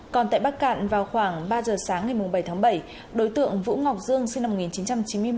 còn tại bắc cạn vào khoảng ba giờ sáng ngày bảy tháng bảy đối tượng vũ ngọc dương sinh năm một nghìn chín trăm chín mươi một